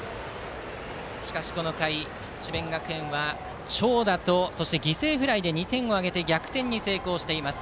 しかしこの回、智弁学園は長打と犠牲フライで２点を挙げて逆転に成功しています。